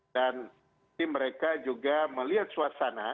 ini mereka juga melihat suasana